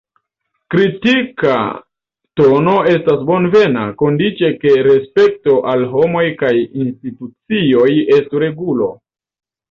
Kritika tono estos bonvena, kondiĉe ke respekto al homoj kaj institucioj estu regulo.